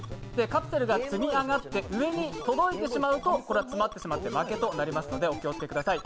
カプセルが積み上がって、上に届いてしまうと、詰まってしまって負けとなりますのでお気を付けください。